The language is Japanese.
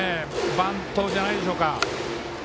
バントじゃないんでしょうか。